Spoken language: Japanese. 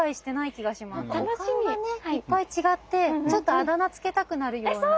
お顔がねいっぱい違ってちょっとあだ名つけたくなるような。